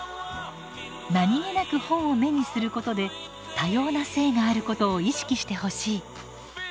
何気なく本を目にすることで多様な性があることを意識してほしい。